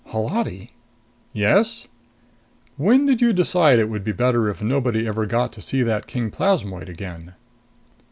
"Holati " "Yes?" "When did you decide it would be better if nobody ever got to see that king plasmoid again?"